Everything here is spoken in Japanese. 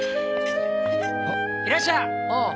いらっしゃあっ。